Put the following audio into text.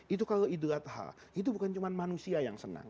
itu kalau idul adha itu bukan cuma manusia yang senang